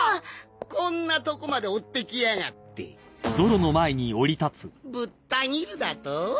こんなとこまで追ってきやがってぶった斬るだとォ？